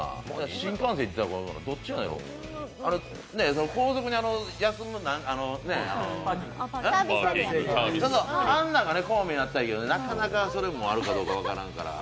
新幹線で行ったら、どっちなんやろ高速に休むあの、あんなんがあったらええけどなかなか、それもあるかどうか分からんから。